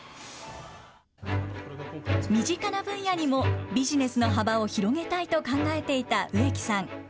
身近な分野にもビジネスの幅を広げたいと考えていた植木さん。